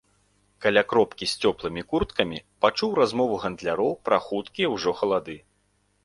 Каля кропкі з цёплымі курткамі пачуў размову гандляроў пра хуткія ўжо халады.